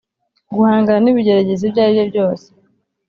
guhangana n’ibigeragezo ibyo ari byo byose